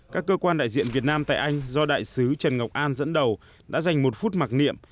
các cơ quan đại diện việt nam tại anh do đại sứ trần ngọc an dẫn đầu đã dành một phút mặc niệm